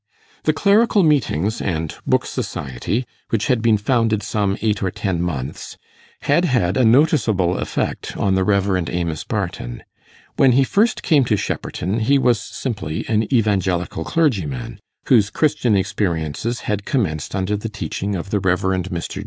The Clerical Meetings and Book Society, which had been founded some eight or ten months, had had a noticeable effect on the Rev. Amos Barton. When he first came to Shepperton he was simply an evangelical clergyman, whose Christian experiences had commenced under the teaching of the Rev. Mr.